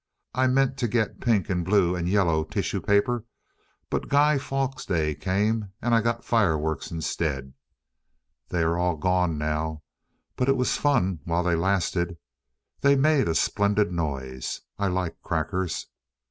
I meant to get pink and blue and yellow tissue paper, but Guy Fawkes Day came and I got fireworks instead. They are all gone now, but it was fun while they lasted. They made a splendid noise. I like crackers.